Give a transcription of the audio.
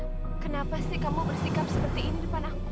eh kenapa sih kamu bersikap seperti ini depan aku